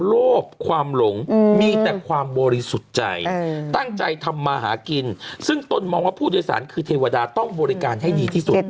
โลภความหลงมีแต่ความบริสุทธิ์ใจตั้งใจทำมาหากินซึ่งตนมองว่าผู้โดยสารคือเทวดาต้องบริการให้ดีที่สุด